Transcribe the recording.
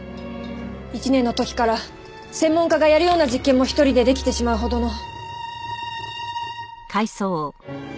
１年の時から専門家がやるような実験も１人でできてしまうほどの。